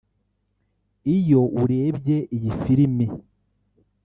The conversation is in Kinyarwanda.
Iyo urebye iyi filimi